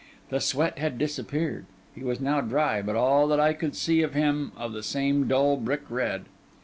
The sweat had disappeared; he was now dry, but all that I could see of him, of the same dull brick red.